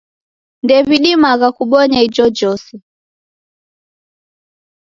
Ndew'idimagha kubonya ijojose.